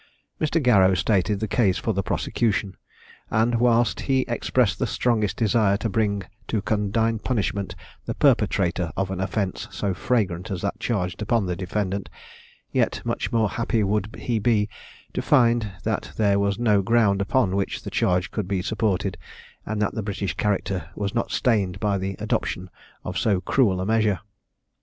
Mr. Garrow stated the case for the prosecution; and, whilst he expressed the strongest desire to bring to condign punishment the perpetrator of an offence so flagrant as that charged upon the defendant, yet much more happy would he be to find that there was no ground upon which the charge could be supported, and that the British character was not stained by the adoption of so cruel a measure.